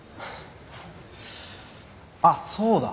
あっそうだ。